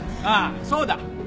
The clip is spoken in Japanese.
ああそうだ。